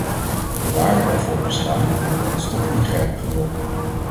De waarden waarvoor we staan, hebben ons tot ingrijpen gedwongen.